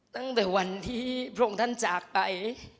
ตั้งแต่วันที่พระองค์ท่านจากไป